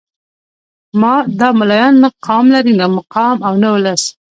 دا ملايان نه قام لري نه مقام او نه ولس.